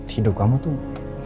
hidup kamu tuh